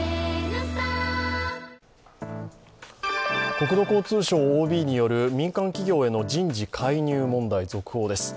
国土交通省ＯＢによる民間企業への人事介入問題続報です。